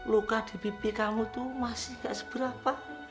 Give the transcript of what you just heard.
luka di bibi kamu tuh masih gak seberapa